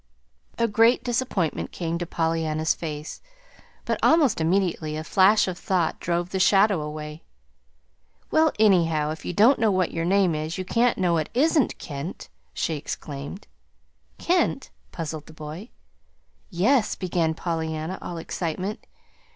A great disappointment came to Pollyanna's face, but almost immediately a flash of thought drove the shadow away. "Well, anyhow, if you don't know what your name is, you can't know it isn't 'Kent'!" she exclaimed. "'Kent'?" puzzled the boy. "Yes," began Pollyanna, all excitement.